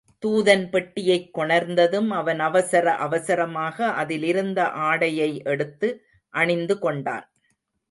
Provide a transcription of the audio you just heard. தூதன் பெட்டியைக் கொணர்ந்ததும், அவன் அவசர அவசரமாக அதிலிருந்த ஆடையை எடுத்து அணிந்துகொண்டான்.